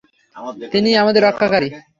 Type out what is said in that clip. তিনিই আমাদের রক্ষাকারী।